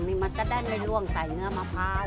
อ๋อในบ้านฉันก็จะเรียกขนมต้ม